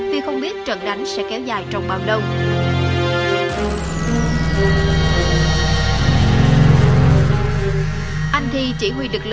vì không biết trận đánh sẽ kéo dài trong bao lâu